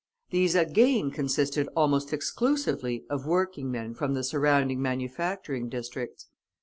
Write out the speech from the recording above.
These again consisted almost exclusively of working men from the surrounding manufacturing districts.